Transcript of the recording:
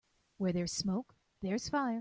Where there's smoke there's fire.